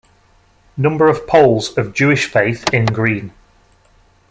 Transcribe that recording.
Number of Poles of Jewish faith in green.